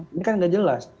ini kan enggak jelas